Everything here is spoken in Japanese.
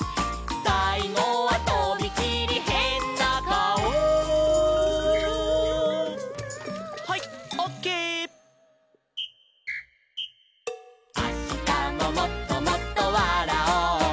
「さいごはとびきりへんなかお」「あしたももっともっとわらおう」